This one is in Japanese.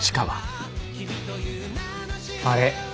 あれ？